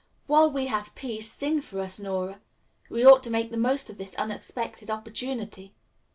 "While we have peace, sing for us, Nora. We ought to make the most of this unexpected opportunity."